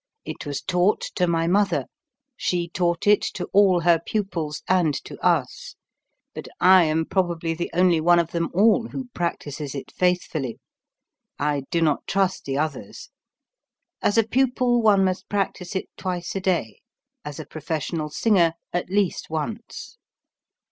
It was taught to my mother; she taught it to all her pupils and to us. But I am probably the only one of them all who practises it faithfully ! I do not trust the others. As a pupil one must practise it twice a day, as a professional singer at least once.